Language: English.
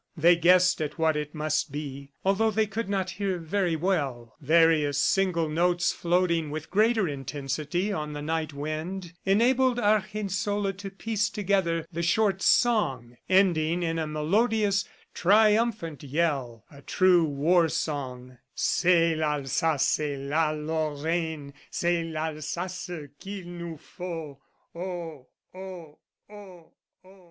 They guessed at what it must be, although they could not hear very well. Various single notes floating with greater intensity on the night wind, enabled Argensola to piece together the short song, ending in a melodious, triumphant yell a true war song: C'est l'Alsace et la Lorraine, C'est l'Alsace qu'il nous faut, Oh, oh, oh, oh.